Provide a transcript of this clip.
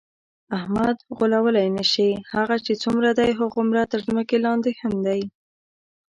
احمد غولولی نشې، هغه چې څومره دی هومره تر ځمکه لاندې هم دی.